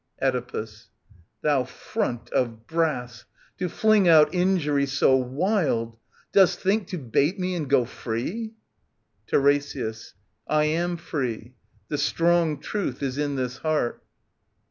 Oedipus. Thou front of brass, to fling out injury So wild ! Dost think to bate me and go free ? TiRESIAS. I am free. The strong truth is in this heart.